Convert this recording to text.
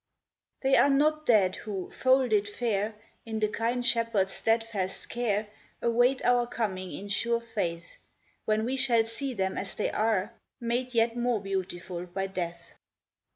They are not dead who, folded fair In the kind Shepherd's steadfast care, Await our coming in sure faith, When we shall see them as they are, Made yet more beautiful by death.